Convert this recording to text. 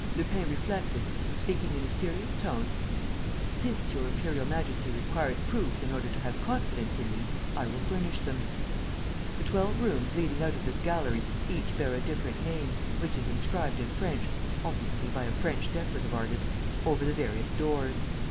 Lupin reflected and, speaking in a serious tone: "Since Your Imperial Majesty requires proofs in order to have confidence in me, I will furnish them. The twelve rooms leading out of this gallery each bear a different name, which is inscribed in French obviously by a French decorative artist over the various doors.